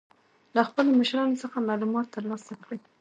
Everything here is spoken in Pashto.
له خپلو مشرانو څخه معلومات تر لاسه کړئ.